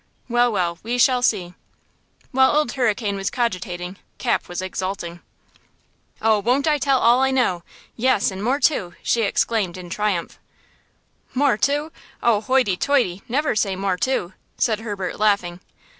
Well, well, we shall see!" While Old Hurricane was cogitating Cap was exulting. "Oh, won't I tell all I know! Yes, and more, too!" she exclaimed, in triumph. "'More, too!' Oh, hoity toity! Never say more, too!" said Herbert laughing.